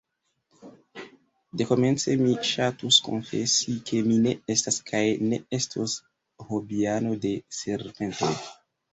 Dekomence mi ŝatus konfesi, ke mi ne estas kaj ne estos hobiano de serpentoj.